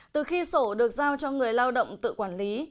từ khi sổ được giao cho người lao động tự quản lý